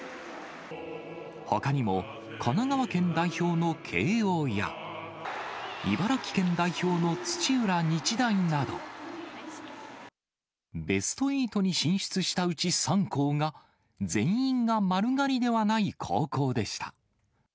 ほかにも神奈川県代表の慶応や、茨城県代表の土浦日大など、ベスト８に進出したうち３校が、全員が丸刈りではない高校でした。